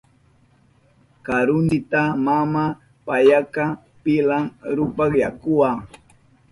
Karuntsita mama payaka pilan rupa yakuwa.